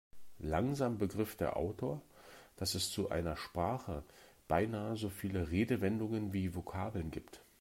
Langsam begriff der Autor, dass es zu einer Sprache beinahe so viele Redewendungen wie Vokabeln gibt.